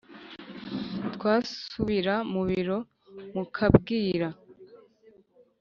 twasubira mubiro mukabwira